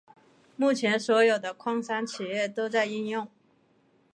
目前所有的矿山企业都在应用。